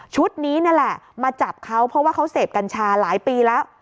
นี้นี่แหละมาจับเขาเพราะว่าเขาเสพกัญชาหลายปีแล้ว